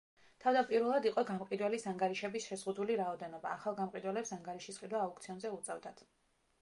თავდაპირველად იყო გამყიდველის ანგარიშების შეზღუდული რაოდენობა, ახალ გამყიდველებს ანგარიშის ყიდვა აუქციონზე უწევდათ.